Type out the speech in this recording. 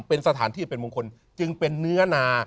เป็นสถานที่เป็นมงคลจึงเป็นเนื้อนา